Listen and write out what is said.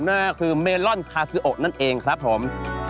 นั่นก็คือเมลอนคาซิโอนั่นเองครับผม